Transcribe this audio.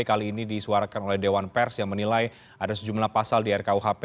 kali ini disuarakan oleh dewan pers yang menilai ada sejumlah pasal di rkuhp